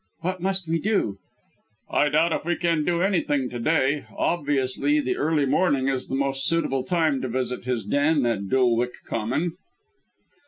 "What must we do?" "I doubt if we can do anything to day. Obviously the early morning is the most suitable time to visit his den at Dulwich Common."